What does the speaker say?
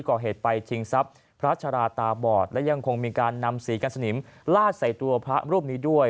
ก่อเหตุไปชิงทรัพย์พระชราตาบอดและยังคงมีการนำสีกันสนิมลาดใส่ตัวพระรูปนี้ด้วย